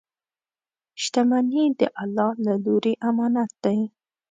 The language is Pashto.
• شتمني د الله له لورې امانت دی.